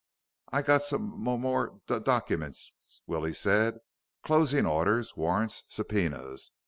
"I got some m more d documents," Willie said. "Closing orders, warrants, subpoenas.